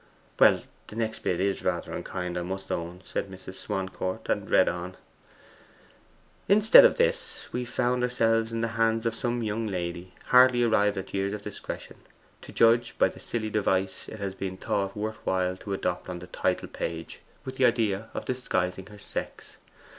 'Well the next bit is rather unkind, I must own,' said Mrs. Swancourt, and read on. '"Instead of this we found ourselves in the hands of some young lady, hardly arrived at years of discretion, to judge by the silly device it has been thought worth while to adopt on the title page, with the idea of disguising her sex."